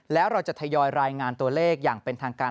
แล้วเราจะทยอยรายงานตัวเลขอย่างเป็นทางการ